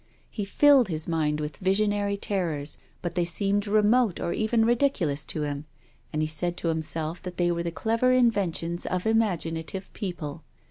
He filled his mind with visionary terrors, but they seemed remote or even ridiculous to him, and he said to himself that they were the clever inventions of imaginative people.